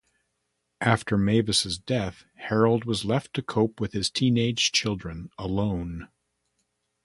After Mavis's death, Harold was left to cope with his teenage children alone.